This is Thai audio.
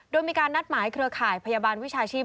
โดยมีการนัดหมายเครือข่ายพยาบาลวิชาชีพ